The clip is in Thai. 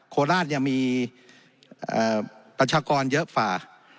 โคราชยังมีประชากรเยอะฝ่า